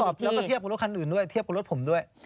แล้วก็เทียบกับรถคันอื่นด้วยเทียบกับรถผมด้วย